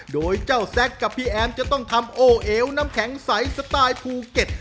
โดยเจ้าแซคกับพี่แอมจะต้องทำโอเอวน้ำแข็งใสสไตล์ภูเก็ต